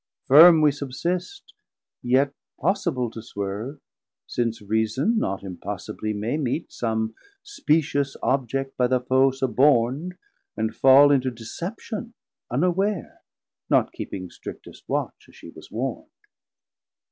Firm we subsist, yet possible to swerve, Since Reason not impossibly may meet 360 Some specious object by the Foe subornd, And fall into deception unaware, Not keeping strictest watch, as she was warnd.